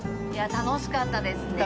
楽しかったです。